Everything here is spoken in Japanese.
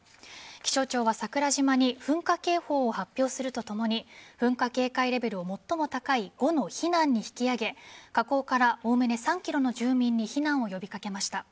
気象庁は桜島に噴火警報を発表するとともに噴火警戒レベルを最も高い５の避難に引き上げ火口からおおむね３ｋｍの住民に避難を呼び掛けました。